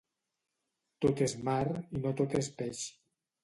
Tot és mar i no tot és peix.